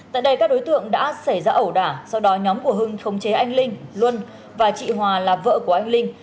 tại đây các đối tượng đã xảy ra ẩu đả sau đó nhóm của hưng khống chế anh linh luân và chị hòa là vợ của anh linh